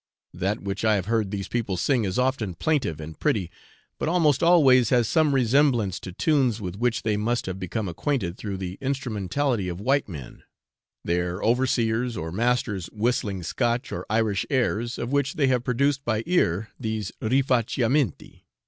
That which I have heard these people sing is often plaintive and pretty, but almost always has some resemblance to tunes with which they must have become acquainted through the instrumentality of white men; their overseers or masters whistling Scotch or Irish airs, of which they have produced by ear these rifacciamenti.